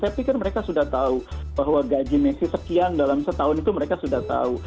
saya pikir mereka sudah tahu bahwa gaji messi sekian dalam setahun itu mereka sudah tahu